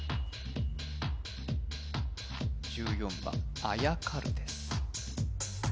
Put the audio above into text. １４番あやかるです